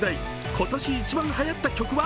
今年一番はやった曲は？